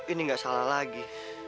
ini enggak salah lagi